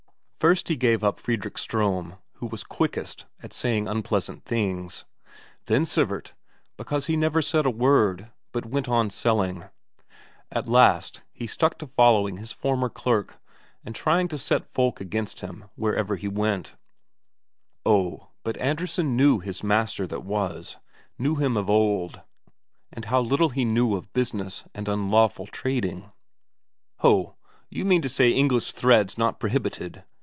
First he gave up Fredrik Ström, who was quickest at saying unpleasant things; then Sivert, because he never said a word, but went on selling; at last he stuck to following his former clerk, and trying to set folk against him wherever he went in. Oh, but Andresen knew his master that was knew him of old, and how little he knew of business and unlawful trading. "Ho, you mean to say English thread's not prohibited?"